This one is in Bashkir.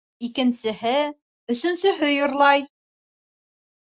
Икенсеһе, өсөнсөһө йырлай.